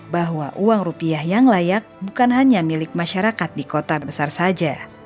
bahwa uang rupiah yang layak bukan hanya milik masyarakat di kota besar saja